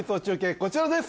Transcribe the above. こちらです